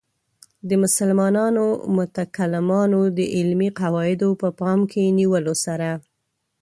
د مسلمانو متکلمانو د علمي قواعدو په پام کې نیولو سره.